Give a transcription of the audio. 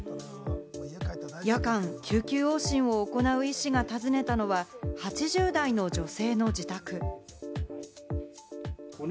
夜間、救急往診を行う医師が訪ねたのは、８０代の女性の自宅。